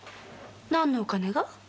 何のお金が？